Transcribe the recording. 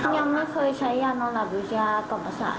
ยังไม่เคยใช้ยานอนหลับยุทธิ์ยากต่อประสานค่ะ